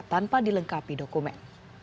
tanpa dilengkapi dokumen